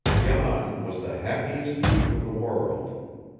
Jan was the happiest youth in the world.